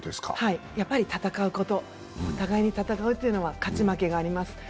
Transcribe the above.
戦うこと、お互いに戦うということは勝ち負けがあります。